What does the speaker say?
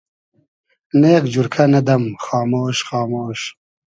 نۂ یئگ جورکۂ, نۂ دئم خامۉش خامۉش